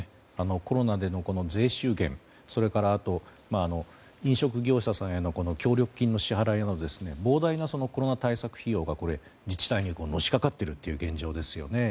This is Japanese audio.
コロナでの税収減それから飲食業者さんへの協力金の支払いなど膨大なコロナ対策費用が自治体にのしかかってるという現状ですよね。